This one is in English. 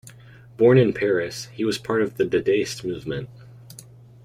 Born in Paris, he was part of the Dadaist movement.